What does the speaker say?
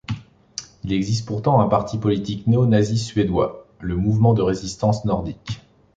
Il existe pourtant un parti politique néonazi suédois, le Mouvement de résistance nordique.